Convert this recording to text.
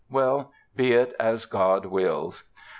Well, be it as God wills."